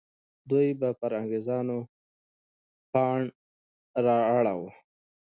دوی به پر انګریزانو پاڼ را اړوه.